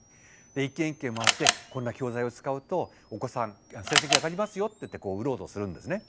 一軒一軒回って「こんな教材を使うとお子さん成績上がりますよ」って言ってこう売ろうとするんですね。